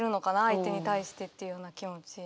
相手に対してっていうような気持ち。